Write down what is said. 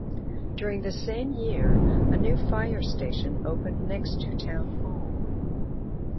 During the same year, a new fire station opened next to town hall.